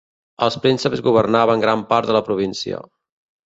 Els prínceps governaven gran part de la província.